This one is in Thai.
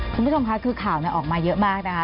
คุณผู้ชมค่ะคือข่าวออกมาเยอะมากนะคะ